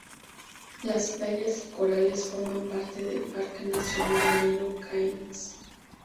Las playas y corales forman parte de Parque Nacional Marino Cairns.